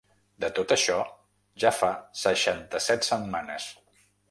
De tot això, ja fa seixanta-set setmanes.